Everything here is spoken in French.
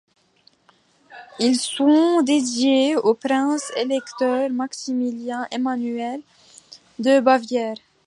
Ils sont dédiés au Prince-Électeur Maximilien-Emmanuel de Bavière.